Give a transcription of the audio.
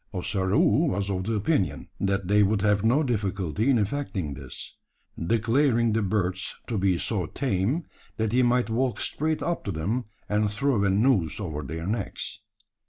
Ossaroo was of the opinion, that they would have no difficulty in effecting this; declaring the birds to be so tame, that he might walk straight up to them, and throw a noose over their necks.